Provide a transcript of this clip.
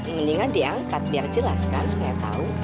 mendingan diangkat biar jelas kan supaya tahu